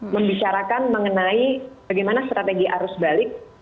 membicarakan mengenai bagaimana strategi arus balik